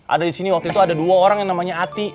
ada di sini waktu itu ada dua orang yang namanya ati